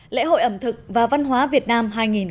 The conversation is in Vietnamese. lễ hội ẩm thực và văn hóa việt nam hai nghìn một mươi chín